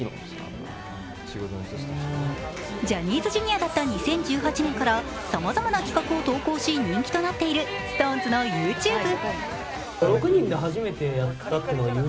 ジャニーズＪｒ．だった２０１８年からさまざまな企画を投稿し人気となっているＳｉｘＴＯＮＥＳのＹｏｕＴｕｂｅ。